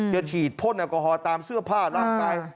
จะฉีดพ่นแอลกอฮอลตามเสื้อผ้าร่างกาย